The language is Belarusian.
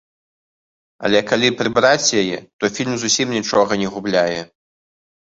Але калі прыбраць яе, то фільм зусім нічога не губляе.